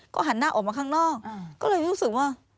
ก็หันหน้าออกมาข้างนอกก็เลยรู้สึกว่า